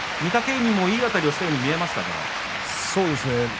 海もいいあたりをしているように見えましたが。